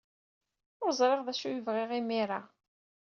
Ur ẓriɣ d acu ay bɣiɣ imir-a.